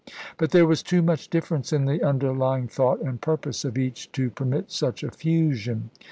But there was too much difference in the underly ing thought and purpose of each to permit such a fusion.